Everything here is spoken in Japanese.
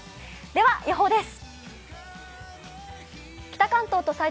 では予報です。